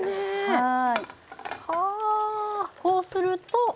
はい。